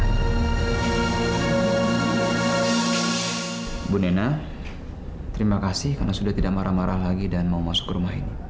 ibu nena terima kasih karena sudah tidak marah marah lagi dan mau masuk ke rumah ini